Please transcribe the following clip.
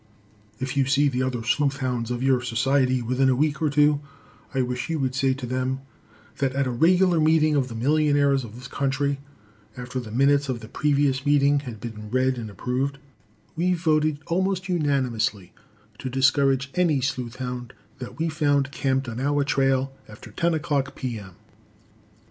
If you see the other sleuth hounds of your society within a week or two, I wish you would say to them that at a regular meeting of the millionaires of this country, after the minutes of the previous meeting had been read and approved, we voted almost unanimously to discourage any sleuth hound that we found camped on our trail after ten o'clock, P.M.